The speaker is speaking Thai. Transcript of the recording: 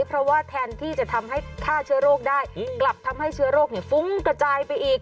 เพราะว่าแทนที่จะทำให้ฆ่าเชื้อโรคได้กลับทำให้เชื้อโรคฟุ้งกระจายไปอีก